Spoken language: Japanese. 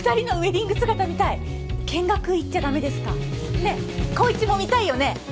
ねえ紘一も見たいよね？